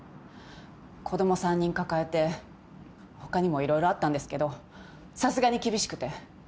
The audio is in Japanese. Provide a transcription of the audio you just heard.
子供３人抱えて他にも色々あったんですけどさすがに厳しくて。